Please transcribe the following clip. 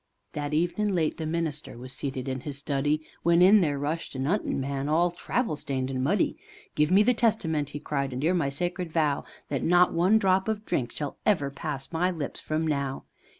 That evenin' late the minister was seated in his study, When in there rushed a 'untin' man, all travel stained and muddy, "Give me the Testament!" he cried, "And 'ear my sacred vow, That not one drop of drink shall ever pass my lips from now."